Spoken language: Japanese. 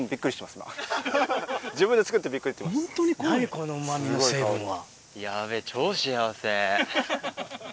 このうまみの成分は。